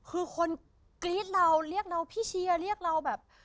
คือคนกรี๊ดเราเรียกเราพี่เชียร์เรียกเราแบบ